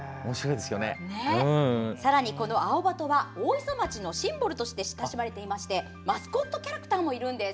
さらに、このアオバトは大磯町のシンボルとして親しまれていましてマスコットキャラクターもいるんです。